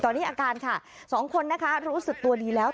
ตอนนี้อาการค่ะสองคนนะคะรู้สึกตัวดีแล้ว